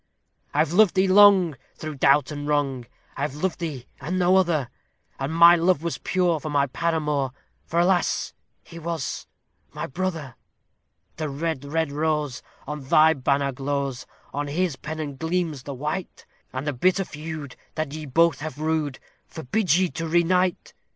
"I've loved thee long, through doubt and wrong; I've loved thee and no other; And my love was pure for my paramour, for alas! he was my brother! The Red, Red Rose, on thy banner glows, on his pennon gleams the White, And the bitter feud, that ye both have rued, forbids ye to unite.